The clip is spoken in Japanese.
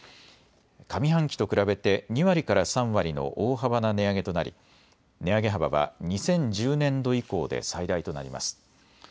上半期と比べて２割から３割の大幅な値上げとなり値上げ幅は２０１０年度以降で最大となります。